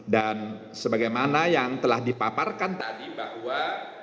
dan sebagaimana yang telah dipaparkan tadi bahwa